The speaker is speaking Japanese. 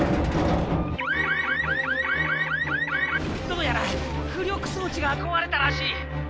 どうやら浮力装置が壊れたらしい！